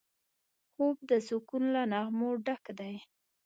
خوب د سکون له نغمو ډک دی